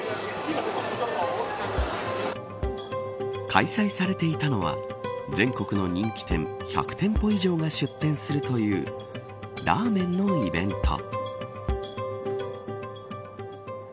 開催されていたのは全国の人気店１００店舗以上が出店するというラーメンのイベント。